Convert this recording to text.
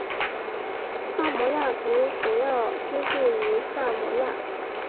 萨摩亚族主要居住于萨摩亚。